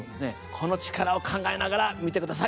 この力を考えながら見て下さい。